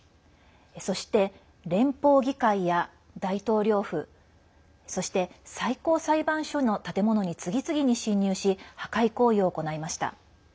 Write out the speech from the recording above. そして、連邦議会や大統領府そして、最高裁判所の建物に次々に侵入し破壊行為を行いました。